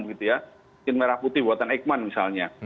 vaksin merah putih buatan eikman misalnya